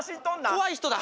怖い人だ。